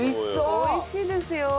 美味しいですよ。